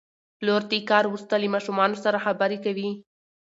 پلر د کار وروسته له ماشومانو سره خبرې کوي